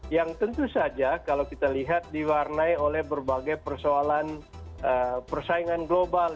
yang tentu saja kalau kita lihat diwarnai oleh berbagai persoalan persaingan global